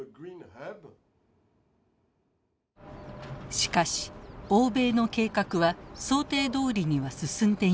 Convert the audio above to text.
しかし欧米の計画は想定どおりには進んでいません。